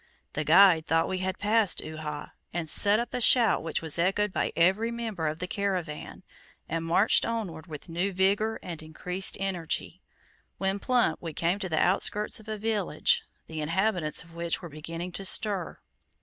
The guide thought we had passed Uhha, and set up a shout which was echoed by every member of the caravan, and marched onward with new vigor and increased energy, when plump we came to the outskirts of a village, the inhabitants of which were beginning to stir.